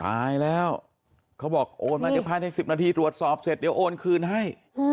ตายแล้วเขาบอกโอนมา๑๐นาทีตรวจสอบเสร็จเดี๋ยวโอนคืนให้